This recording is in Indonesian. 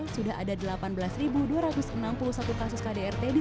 sudah ada delapan belas dua ratus enam puluh satu kasus kdrt